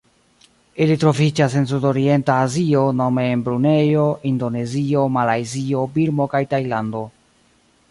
Ili troviĝas en Sudorienta Azio nome en Brunejo, Indonezio, Malajzio, Birmo kaj Tajlando.